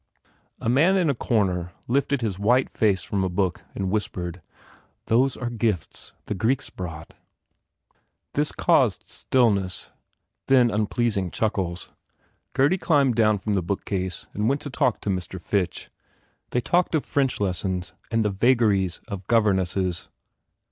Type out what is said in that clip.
A man in a corner lifted his white face from a book and whispered, "Those are gifts the Greeks brought." This caused stillness, then un pleasing chuckles. Gurdy climbed down from the bookcase and went to talk to Mr. Fitch. They talked of French lessons and the vagaries of governesses.